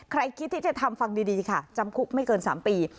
คิดที่จะทำฟังดีค่ะจำคุกไม่เกิน๓ปี